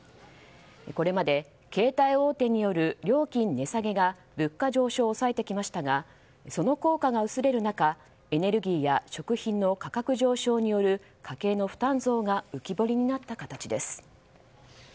これまで携帯大手による料金値下げが物価上昇を抑えてきましたがその効果が薄れる中エネルギーや食品の価格上昇による家計の負担増が浮き彫りになった形です。